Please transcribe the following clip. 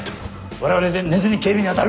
われわれで寝ずに警備に当たる。